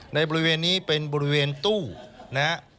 ในบริเวณนี้เป็นบริเวณตู้นะฮะ